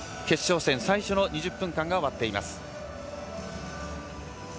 決勝戦最初の２０分が終わっています。